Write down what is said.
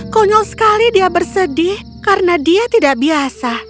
konyol sekali dia bersedih karena dia tidak biasa